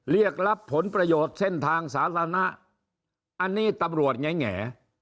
เรียกรับผลประโยชน์เส้นทางสาธารณะอันนี้ตำรวจแง่